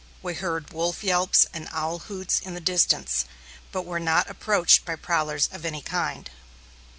We heard wolf yelps and owl hoots in the distance, but were not approached by prowlers of any kind.